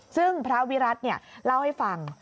ซึ่งพระวิรัติเล่าให้ฟัง